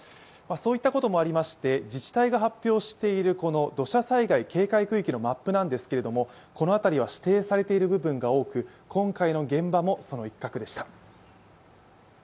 そういったこともありまして自治体が発表している土砂災害警戒区域のマップなんですけどこの辺りは指定されている部分が多く今回の現場もその一角でした。